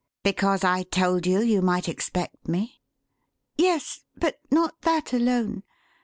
"Because I told you you might expect me?" "Yes. But not that alone.